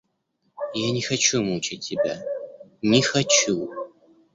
Я не хочу мучать тебя, не хочу!